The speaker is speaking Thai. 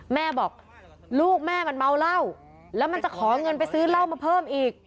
แม่บอกลูกแม่มันเมาเหล้าแล้วมันจะขอเงินไปซื้อเหล้ามาเพิ่มอีก